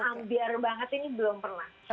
ambiar banget ini belum pernah